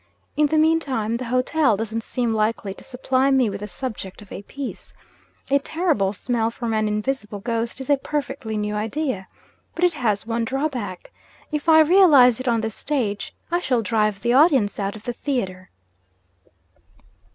In the mean time, the hotel doesn't seem likely to supply me with the subject of a piece. A terrible smell from an invisible ghost is a perfectly new idea. But it has one drawback. If I realise it on the stage, I shall drive the audience out of the theatre.'